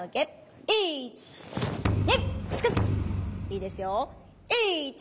いいですよ。